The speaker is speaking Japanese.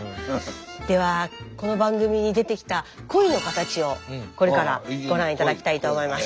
ではこの番組に出てきた恋のカタチをこれからご覧頂きたいと思います。